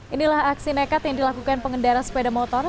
inilah aksi nekat yang dilakukan pengendara sepeda motor